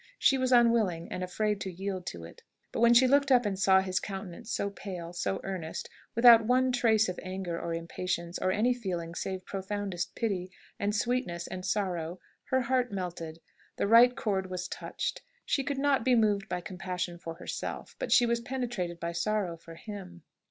She was unwilling, and afraid to yield to it. But when she looked up and saw his countenance so pale, so earnest, without one trace of anger or impatience, or any feeling save profoundest pity, and sweetness, and sorrow, her heart melted. The right chord was touched. She could not be moved by compassion for herself, but she was penetrated by sorrow for him.